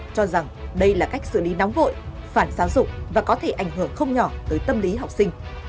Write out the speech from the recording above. cho rằng đây là cách xử lý nóng vội phản giáo dục và có thể ảnh hưởng không nhỏ tới tâm lý học sinh